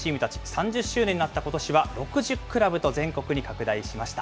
３０周年になったことしは、６０クラブと全国に拡大しました。